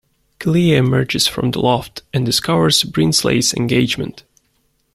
Clea emerges from the loft, and discovers Brindsley's engagement.